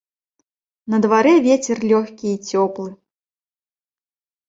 На дварэ вецер лёгкі й цёплы.